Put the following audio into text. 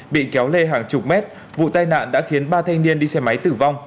bị kéo lê hàng chục mét vụ tai nạn đã khiến ba thanh niên đi xe máy tử vong